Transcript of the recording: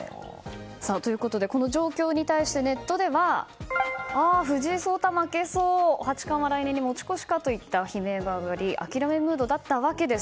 この状況に対してネットではあ藤井聡太負けそう八冠は来年に持ち越しかといった悲鳴が上がり諦めムードだったわけです。